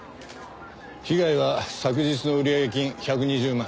被害は昨日の売上金１２０万。